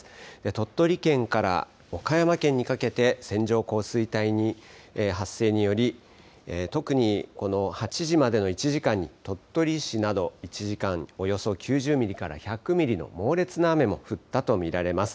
鳥取県から岡山県にかけて線状降水帯発生により、特にこの８時までの１時間に鳥取市など１時間におよそ９０ミリから１００ミリの猛烈な雨が降ったと見られます。